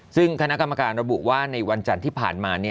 ซึ่งคณะกรรมการระบุว่าในวันจันทร์ที่ผ่านมา